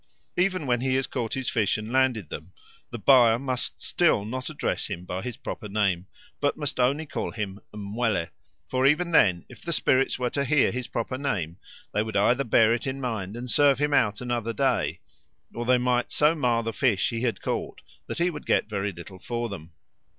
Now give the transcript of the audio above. Even when he has caught his fish and landed with them, the buyer must still not address him by his proper name, but must only call him mwele; for even then, if the spirits were to hear his proper name, they would either bear it in mind and serve him out another day, or they might so mar the fish he had caught that he would get very little for them.